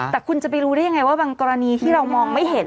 แต่คุณจะไปรู้ได้ยังไงว่าบางกรณีที่เรามองไม่เห็น